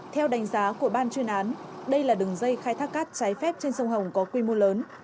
theo đánh giá của ban chuyên án đây là đường dây khai thác cát trái phép trên sông hồng có quy mô lớn